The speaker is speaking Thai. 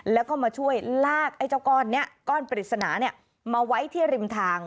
แล้วก็มาช่วยลากก้อนปริศนามาไว้ที่ริมทาง